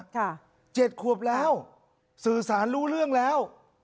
เจ็ดขวบแล้วสื่อสารรู้เรื่องแล้ว